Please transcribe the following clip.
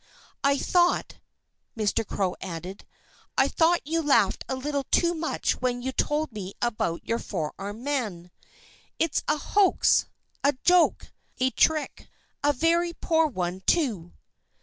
I thought " Mr. Crow added "I thought you laughed a little too much when you told me about your four armed man. It's a hoax a joke a trick and a very poor one, too."